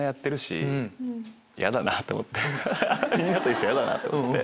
みんなと一緒嫌だなと思って。